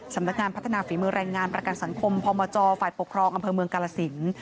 สำนักงานพัฒนาฝีมือแรงงานประกันสังคมพมจฝ่ายปกครองอำเภอเมืองกาลสิน